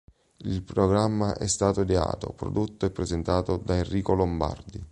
Il programma è stato ideato, prodotto e presentato da Enrico Lombardi.